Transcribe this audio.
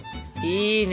いいね